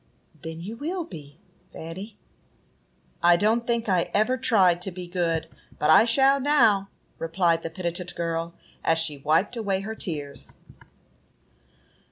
"Then you will be, Fanny." "I don't think I ever tried to be good, but I shall now," replied the penitent girl, as she wiped away her tears.